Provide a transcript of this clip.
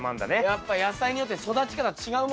やっぱ野菜によって育ち方違うもんだね。